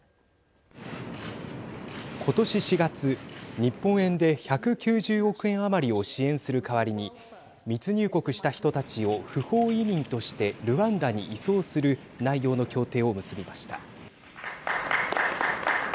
ことし４月日本円で１９０億円余りを支援する代わりに密入国した人たちを不法移民としてルワンダに移送する内容の協定を結びました。